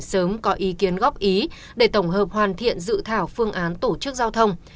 sớm có ý kiến góp ý để tổng hợp hoàn thiện dự thảo phương án tổ chức giao thông